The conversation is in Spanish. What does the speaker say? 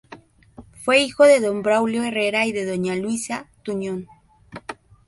Fue hijo de Don Braulio Herrera y de Doña Luisa Tuñón.